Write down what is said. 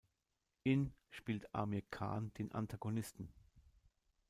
In spielt Aamir Khan den Antagonisten.